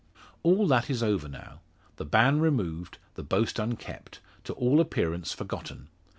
All that is over now; the ban removed, the boast unkept to all appearance forgotten!